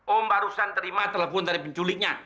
om barusan terima telepon dari penculiknya